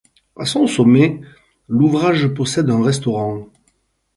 À son sommet, l'ouvrage possède un restaurant.